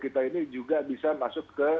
kita ini juga bisa masuk ke